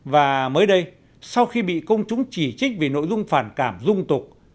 và mới đây sau khi bị công chúng chỉ trích vì nội dung phản cảm dung tục